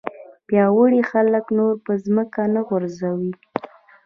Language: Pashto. پیاوړي خلک نور په ځمکه نه غورځوي.